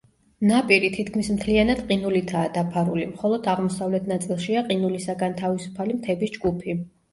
ნაპირი თითქმის მთლიანად ყინულითაა დაფარული, მხოლოდ აღმოსავლეთ ნაწილშია ყინულისაგან თავისუფალი მთების ჯგუფი.